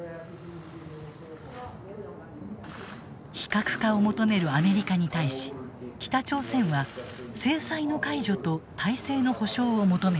非核化を求めるアメリカに対し北朝鮮は制裁の解除と体制の保証を求めた。